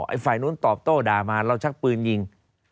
ไอ้ฝ่ายนู้นตอบโต้ด่ามาเราชักปืนยิง